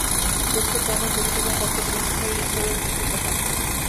প্রত্যেক কর্মই পবিত্র এবং কর্তব্যনিষ্ঠাই ঈশ্বরের শ্রেষ্ঠ উপাসনা।